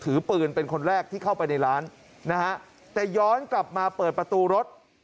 ถือปืนเป็นคนแรกที่เข้าไปในร้านนะฮะแต่ย้อนกลับมาเปิดประตูรถ